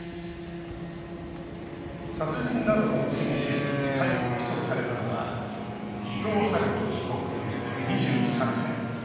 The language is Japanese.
殺人などの罪で逮捕・起訴されたのは伊藤龍稀被告、２３歳。